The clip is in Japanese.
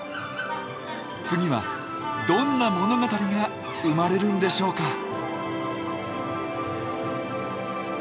次はどんな物語が生まれるんでしょうか？